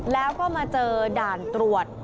แล้วก็มาเจอด่านตรวจ